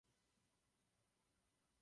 Důsledky mohou být dramatické.